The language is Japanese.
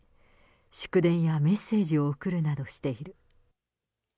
祝電やメッセージを送るなどしている。